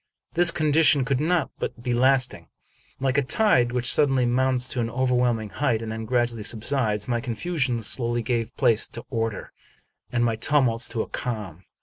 This condition could not be lasting. Like a tide, which suddenly mounts to an overwhelming height and then gradually subsides, my confusion slowly gave place to order, and my tumults to a calm.